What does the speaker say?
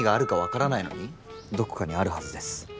どこかにあるはずです